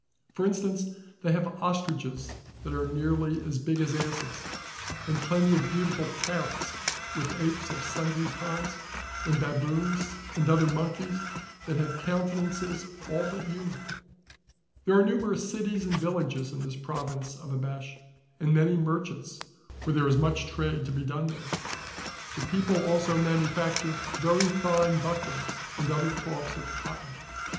For instance they have ostriches that are nearly as big as asses ; and plenty of beautiful parrots, with apes of sundry kinds, and baboons and other monkeys that have counte nances all but human/' There arc numerous cities and villages in this province of Abash, and many merchants ; for there is much trade to be done there. The peo|)le also manufacture very fine buckrams and other cloths of cotton.